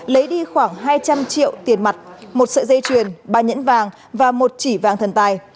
lấy đi khoảng hai trăm linh triệu tiền mặt một sợi dây chuyền ba nhẫn vàng và một chỉ vàng thần tài